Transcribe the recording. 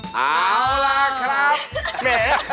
ชู้ป้ายครับ